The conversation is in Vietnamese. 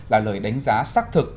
là lời đánh giá xác thực